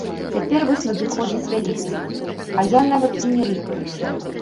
Цяпер вось надыходзіць вялікдзень, а я нават і не рыпаюся.